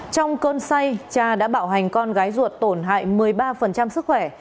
trong cơn say cha đã bạo hành con gái ruột tổn hại một mươi ba sức khỏe